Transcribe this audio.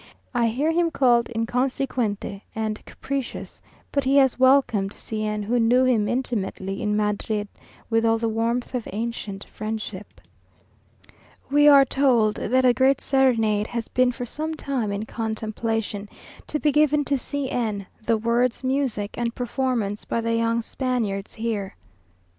I hear him called "inconsecuente," and capricious, but he has welcomed C n, who knew him intimately in Madrid, with all the warmth of ancient friendship. We are told that a great serenade has been for some time in contemplation, to be given to C n, the words, music, and performance by the young Spaniards here.